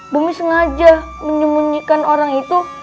demi sengaja menyembunyikan orang itu